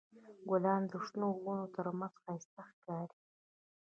ګلان د شنو ونو تر منځ ښایسته ښکاري.